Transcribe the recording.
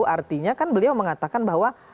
artinya kan beliau mengatakan bahwa